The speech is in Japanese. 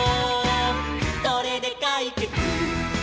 「これでかいけつ！」